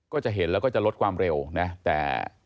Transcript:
ก็จะเห็นแล้วก็จะลดความเร็วนะแต่